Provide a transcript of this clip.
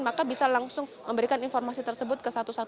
maka bisa langsung memberikan informasi tersebut ke satu ratus dua belas